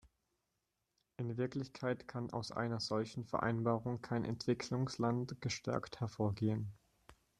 In Wirklichkeit kann aus einer solchen Vereinbarung kein Entwicklungsland gestärkt hervorgehen.